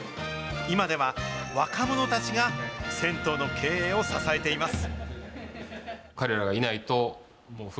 今では若者たちが銭湯の経営を支えています。